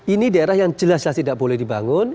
ini daerah yang jelas tidak boleh dibangun